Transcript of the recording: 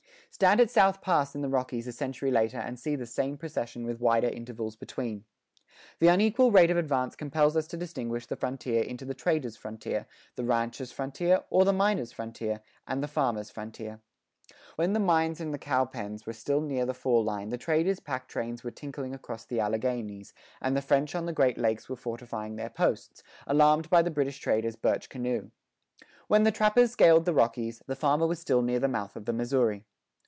Stand at South Pass in the Rockies a century later and see the same procession with wider intervals between. The unequal rate of advance compels us to distinguish the frontier into the trader's frontier, the rancher's frontier, or the miner's frontier, and the farmer's frontier. When the mines and the cow pens were still near the fall line the traders' pack trains were tinkling across the Alleghanies, and the French on the Great Lakes were fortifying their posts, alarmed by the British trader's birch canoe. When the trappers scaled the Rockies, the farmer was still near the mouth of the Missouri.